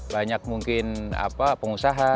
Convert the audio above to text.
banyak mungkin apa pengusaha